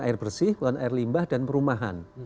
air bersih air limbah dan perumahan